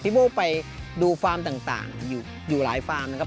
โบ้ไปดูฟาร์มต่างอยู่หลายฟาร์มนะครับ